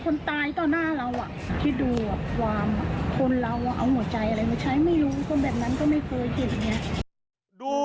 คนเราเอาเหมือนใจอะไรมาใช้ไม่รู้